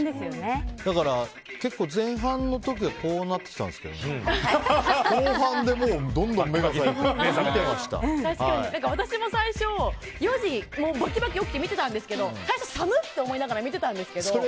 だから結構、前半の時はうとうとなってきたんですけど後半で私も最初、４時バキバキに起きて見ていたんですけど最初、寒って思いながら見ていたんですけど。